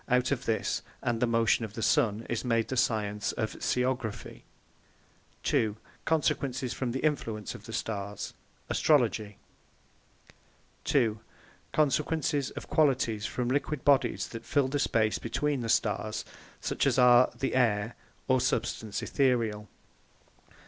Out of this, and the Motion of the Sunne, is made the Science of SCIOGRAPHY b) Consequences from the Influence of the Starres, ASTROLOGY 2) Consequences of the Qualities from Liquid Bodies that fill the space between the Starres; such as are the Ayre, or substance aetherial.